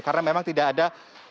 karena memang tidak ada